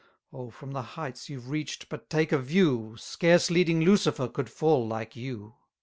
Oh, from the heights you've reach'd but take a view, Scarce leading Lucifer could fall like you!